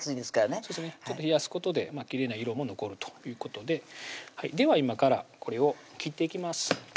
そうですね冷やすことできれいな色も残るということででは今からこれを切っていきます